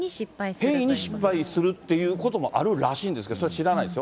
変異に失敗するっていうこともあるらしいんですけど、それは知らないですよ。